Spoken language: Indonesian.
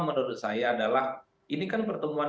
menurut saya adalah ini kan pertemuan